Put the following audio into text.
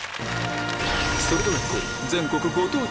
それでは行こう！